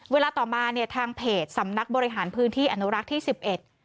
เวลาต่อมาเนี่ยทางเพจสำนักบริหารพื้นที่อนุรักษ์ที่สิบเอ็ด